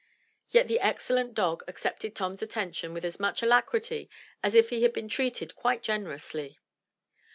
Yet the ex cellent dog accepted Tom's attention with as much alacrity as if he had been treated quite generously.